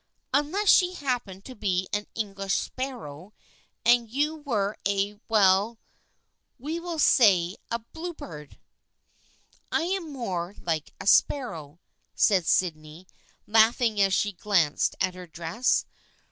" Unless she happened to be an English sparrow and you were a — well, we will say a blue bird." " I am more like a sparrow," said Sydney laughing as she glanced at her dress.